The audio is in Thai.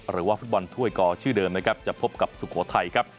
หรือว่าฟุตบอลถ้วยกอชื่อเดิมนะครับจะพบกับสุโขทัยครับ